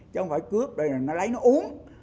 chứ không phải cướp để lấy nó uống